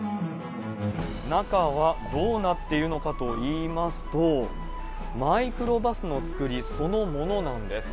中はどうなっているのかといいますと、マイクロバスの作りそのものなんです。